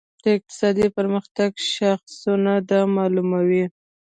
د اقتصادي پرمختګ شاخصونه دا معلوموي.